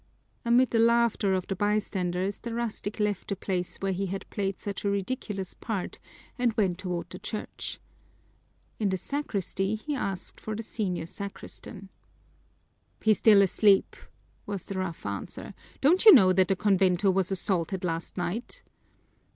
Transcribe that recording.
Amid the laughter of the bystanders the rustic left the place where he had played such a ridiculous part and went toward the church. In the sacristy he asked for the senior sacristan. "He's still asleep," was the rough answer. "Don't you know that the convento was assaulted last night?"